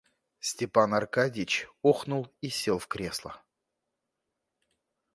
Степан Аркадьич охнул и сел в кресло.